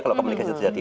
kalau komunikasi terjadi